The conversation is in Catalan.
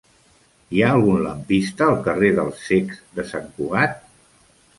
Hi ha algun lampista al carrer dels Cecs de Sant Cugat?